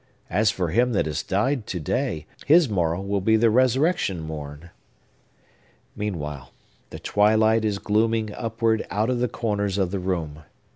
As for him that has died to day, his morrow will be the resurrection morn. Meanwhile the twilight is glooming upward out of the corners of the room.